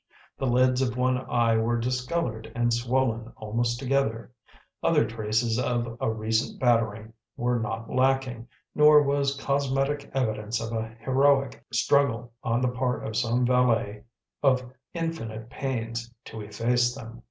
The lids of one eye were discoloured and swollen almost together; other traces of a recent battering were not lacking, nor was cosmetic evidence of a heroic struggle, on the part of some valet of infinite pains, to efface them.